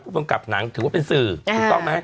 บังกับหนังถือว่าเป็นสื่อถูกต้องไหม